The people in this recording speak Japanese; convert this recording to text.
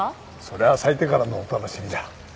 それは咲いてからのお楽しみだ。